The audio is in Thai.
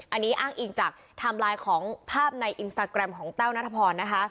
อันนี้อ้างอิงจากไทม์ไลน์ของภาพในอินสตาแกรมของแต้วนัทพรนะคะ